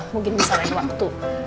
mungkin misalnya ada waktu